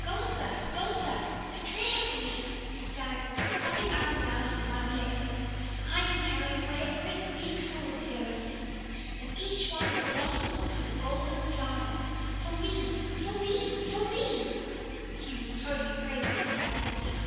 "Gold dust, gold dust, a treasure for me!" he sang, hopping up and down on one leg. "I can carry away a great beakful of the yellow seeds, and each one will blossom into a golden flower for me for me for me!" He was wholly crazy, as you see.